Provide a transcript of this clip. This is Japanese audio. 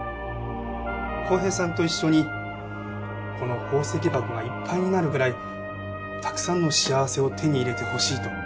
浩平さんと一緒にこの宝石箱がいっぱいになるぐらいたくさんの幸せを手に入れてほしいと。